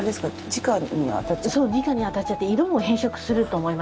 じかに当たっちゃって色も変色すると思います。